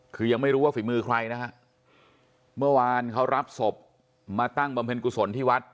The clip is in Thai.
คือยังไม่รู้ว่าฝีมือใครนะฮะเมื่อวานเขารับศพมาตั้งบำเพ็ญกุศลที่วัด